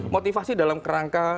motivasi dalam kerangka